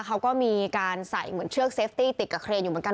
เขาก็มีการใส่เหมือนเชือกเซฟตี้ติดกับเครนอยู่เหมือนกัน